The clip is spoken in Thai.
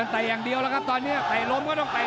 แต่อย่างเดียวแล้วครับตอนนี้ไต่ล้มก็ต้องเตะ